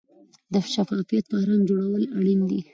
د شفافیت فرهنګ جوړول اړین دي